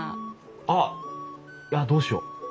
あっあっどうしよう。